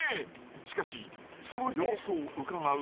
しかしその様子をうかがう